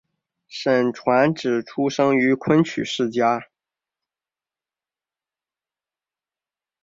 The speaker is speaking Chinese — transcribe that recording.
沈传芷出生于昆曲世家。